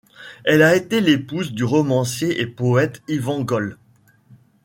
Elle a été l'épouse du romancier et poète Yvan Goll.